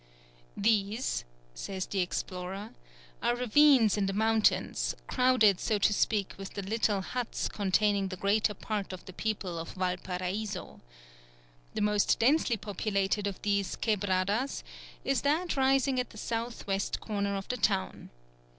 "These," says the explorer, "are ravines in the mountains, crowded so to speak with the little huts containing the greater part of the people of Valparaiso. The most densely populated of these 'quebradas' is that rising at the south west corner of the town.